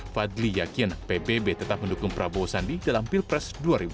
fadli yakin pbb tetap mendukung prabowo sandi dalam pilpres dua ribu dua puluh